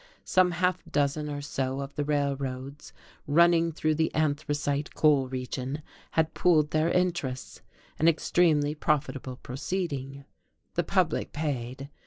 Some half dozen or so of the railroads running through the anthracite coal region had pooled their interests, an extremely profitable proceeding. The public paid.